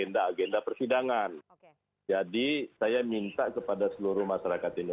dengan direktur pusako